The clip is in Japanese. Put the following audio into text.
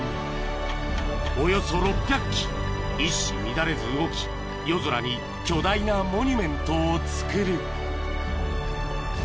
［およそ６００機一糸乱れず動き夜空に巨大なモニュメントをつくる］